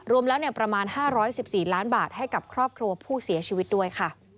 รวมแล้วประมาณ๕๑๔ล้านบาทให้กับครอบครัวผู้เสียชีวิตด้วยค่ะ